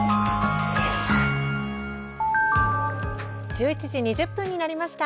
１１時２０分になりました。